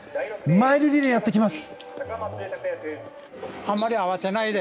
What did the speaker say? マイルリレー、やってきます。